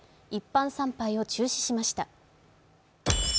一般参拝を中止しました。